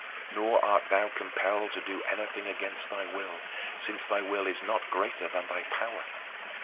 Nor art thou compelled to do anything against thy will, since thy will is not greater than thy power.